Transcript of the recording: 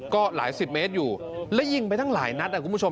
ก็หลายสิบเมตรอยู่และยิงไปตั้งหลายนัดคุณผู้ชม